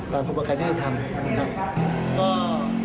เติมว่าการยี่ทรัพย์